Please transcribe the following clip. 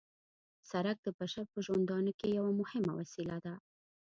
سرک د بشر په ژوندانه کې یوه مهمه وسیله ده